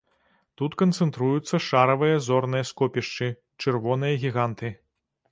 Тут канцэнтруюцца шаравыя зорныя скопішчы, чырвоныя гіганты.